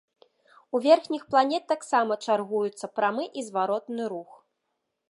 У верхніх планет таксама чаргуюцца прамы і зваротны рух.